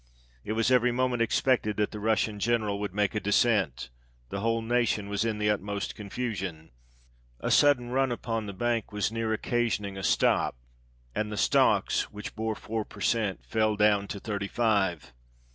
It was every moment expected that the Russian General would make a descent ; the whole nation was in the utmost confusion ; a sudden run upon the Bank was near occasioning a stop, and the stocks, which bore four per cent, fell down to thirty five.